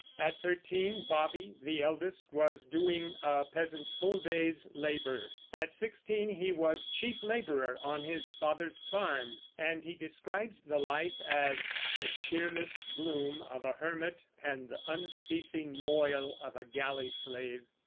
At thirteen Bobby, the eldest, was doing a peasant's full day's labor; at sixteen he was chief laborer on his father's farm; and he describes the life as "the cheerless gloom of a hermit, and the unceasing moil of a galley slave."